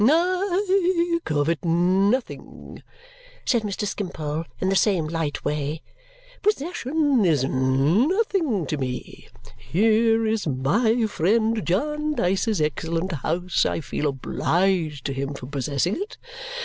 "I covet nothing," said Mr. Skimpole in the same light way. "Possession is nothing to me. Here is my friend Jarndyce's excellent house. I feel obliged to him for possessing it.